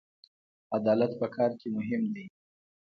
عدالت په کار کې مهم دی